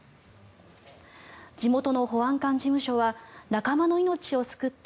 地元の保安官事務所は仲間の命を救った